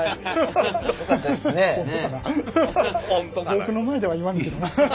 僕の前では言わんけどな。